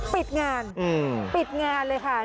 ปิดงานปิดงานเลยค่ะ